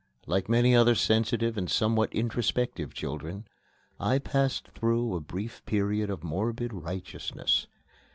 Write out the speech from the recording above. Like many other sensitive and somewhat introspective children, I passed through a brief period of morbid righteousness.